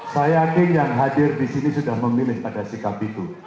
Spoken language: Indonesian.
saya yakin yang hadir di sini sudah memilih pada sikap itu